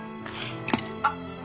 あっ！